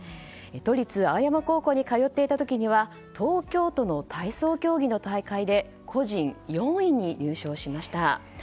都立青山高校に通っていた時には東京都の体操競技の大会で個人４位に入賞しました。